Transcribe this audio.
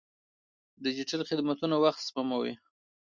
ډیجیټل خدمتونه وخت سپموي.